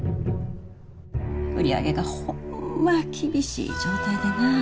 売り上げがホンマ厳しい状態でな。